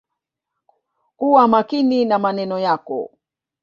Kuwa makini na maneno yako.